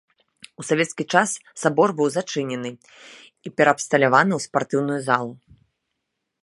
У савецкі час сабор быў зачынены і пераабсталяваны ў спартыўную залу.